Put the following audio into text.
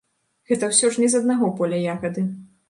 Гэта ўсё ж не з аднаго поля ягады.